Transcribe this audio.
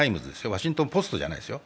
「ワシントン・ポスト」じゃないですよ。